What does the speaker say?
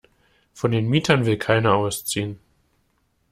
Von den Mietern will keiner ausziehen.